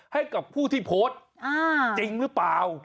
ให้กับผู้ที่โพสต์จริงหรือเปล่า